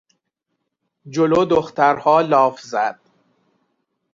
جلو دخترها لاف زد.